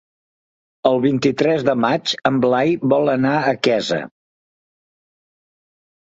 El vint-i-tres de maig en Blai vol anar a Quesa.